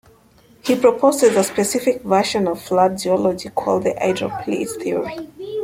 He proposes a specific version of flood geology called the Hydroplate Theory.